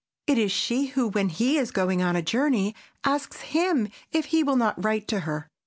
It is she who, when he is going on a journey, asks him if he will not write to her.